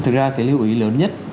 thực ra cái lưu ý lớn nhất